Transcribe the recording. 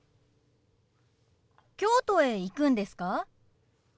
京都へ行くんですか？